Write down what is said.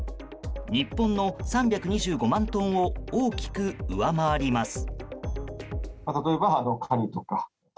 日本の３２５万トンを大きく上回ります。